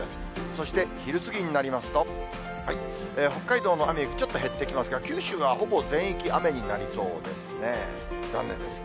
そして昼過ぎになりますと、北海道の雨、ちょっと減ってきますが、九州はほぼ全域、雨になりそうですね。